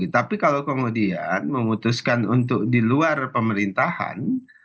tapi kalau kemudian memutuskan untuk di luar pemerintahan